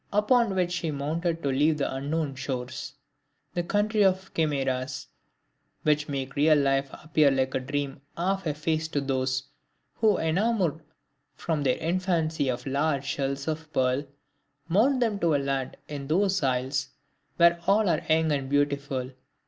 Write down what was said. upon which she mounted to leave the unknown shores, "the country of chimeras which make real life appear like a dream half effaced to those, who enamored from their infancy of large shells of pearl, mount them to land in those isles where all are young and beautiful...